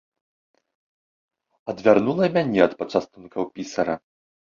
Адвярнула і мяне ад пачастункаў пісара.